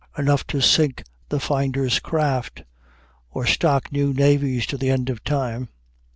enough to sink the finder's craft, or stock new navies to the end of time.